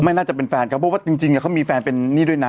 น่าจะเป็นแฟนเขาเพราะว่าจริงเขามีแฟนเป็นนี่ด้วยนะ